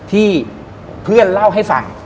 ที่เพื่อนเล่าให้ฟัง